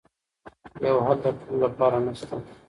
یو حل د ټولو لپاره نه شته.